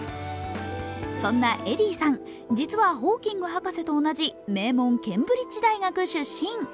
そんなエディさん、実はホーキング博士と同じ、名門・ケンブリッジ大学出身。